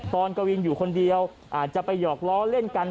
กวินอยู่คนเดียวอาจจะไปหยอกล้อเล่นกัน